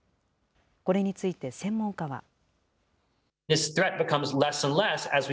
これについて専門家は。